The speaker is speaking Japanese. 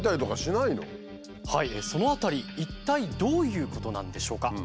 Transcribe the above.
その辺り一体どういうことなんでしょうか？